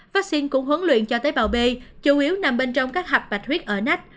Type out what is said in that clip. vaccine cũng huấn luyện cho tế bào b chủ yếu nằm bên trong các hạch bạch huyết ở nách